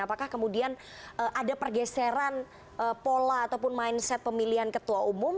apakah kemudian ada pergeseran pola ataupun mindset pemilihan ketua umum